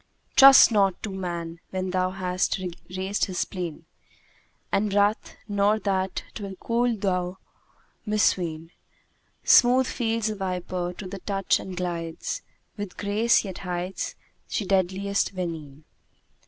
'Trust not to man when thou hast raised his spleen * And wrath, nor that 'twill cool do thou misween: Smooth feels the viper to the touch and glides * With grace, yet hides she deadliest venene.'"